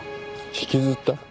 引きずった？